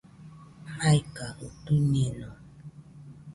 Maikajɨ tuiñeno